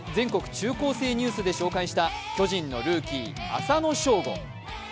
中高生ニュース」で紹介した巨人のルーキー・浅野翔吾。